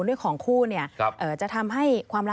ถ้าใจมานะ